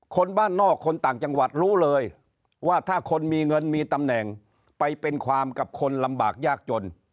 คนบ้านนอกคนต่างจังหวัดรู้เลยว่าถ้าคนมีเงินมีตำแหน่งไปเป็นความกับคนลำบากยากจน